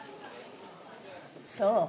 そう。